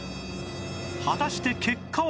果たして結果は？